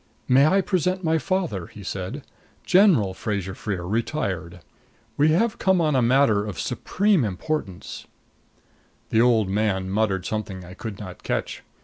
"May I present my father?" he said. "General Fraser Freer, retired. We have come on a matter of supreme importance " The old man muttered something I could not catch.